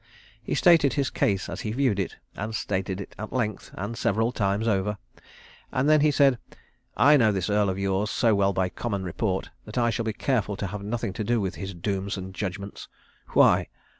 He stated his case as he viewed it, and stated it at length, and several times over. And then he said, "I know this Earl of yours so well by common report that I shall be careful to have nothing to do with his dooms and judgments. Why!"